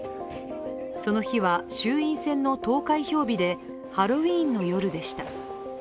その日は、衆院選の投開票日でハロウィーンの夜でした。